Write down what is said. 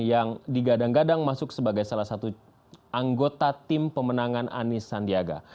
yang digadang gadang masuk sebagai salah satu anggota tim pemenangan anies sandiaga